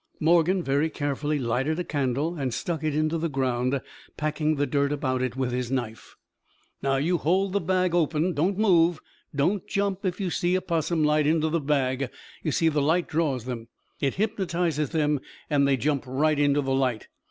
Morgan very carefully lighted a candle and stuck it into the ground, packing the dirt about it with his knife. "Now you hold the bag open. Don't move. Don't jump if you see a 'possum light into the bag. You see the light draws them. It hypnotizes them and they jump right into the light.